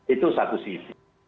itu satu sisi